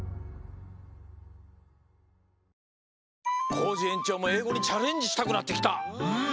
コージえんちょうもえいごにチャレンジしたくなってきた。